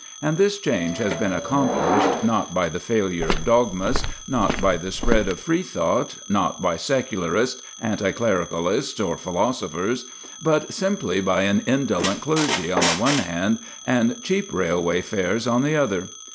And this change has been accomplished, not by the failure of dogmas, not by the spread of free thought, not by secularists, anti clericalists, or philosophers, but simply by an indolent clergy on the one hand and cheap railway fares on the other.